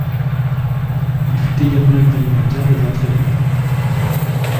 Il fut également examinateur des entraîneurs.